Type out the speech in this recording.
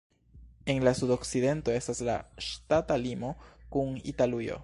En la sudokcidento estas la ŝtata limo kun Italujo.